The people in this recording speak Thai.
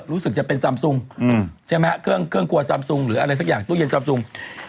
รู้สึกจะเป็นซำซุงใช่ไหมฮะเครื่องครัวซำซุงหรืออะไรสักอย่างตู้เย็นซำซุง